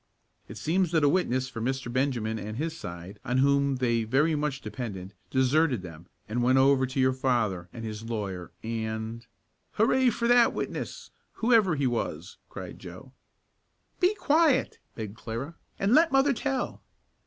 "It seems that a witness for Mr. Benjamin and his side, on whom they very much depended, deserted them, and went over to your father and his lawyer, and " "Hurray for that witness, whoever he was!" cried Joe. "Be quiet," begged Clara, "and let mother tell."